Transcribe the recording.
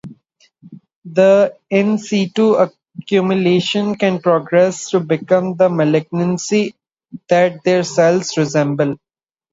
The "in situ" accumulations can progress to become the malignancy that their cells resemble.